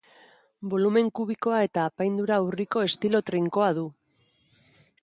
Bolumen kubikoa eta apaindura urriko estilo trinkoa du.